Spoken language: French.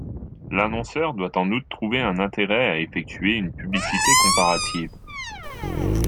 L’annonceur doit en outre trouver un intérêt à effectuer une publicité comparative.